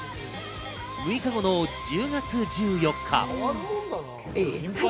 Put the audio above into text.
６日後の１０月１４日。